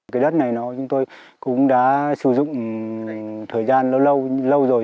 cái đất này chúng tôi cũng đã sử dụng thời gian lâu rồi